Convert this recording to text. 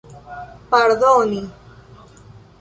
pardoni